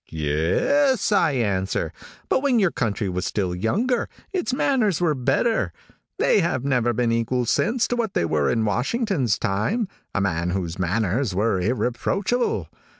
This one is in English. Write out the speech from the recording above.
'Yes,' I answer, 'but when your country was still younger, it's manners were better. They have never been equal since to what they were in Washington's time, a man whose manners were irreproachable.